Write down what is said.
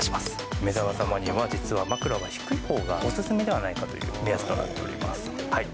梅澤様には、実は枕は低いほうがお勧めではないかという目安となっております。